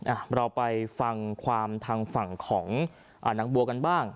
อ่ะเราไปฟังความทางฝั่งของอ่านางบัวกันบ้าง